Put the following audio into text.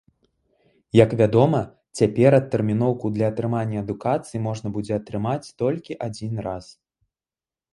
Як вядома, цяпер адтэрміноўку для атрымання адукацыі можна будзе атрымаць толькі адзін раз.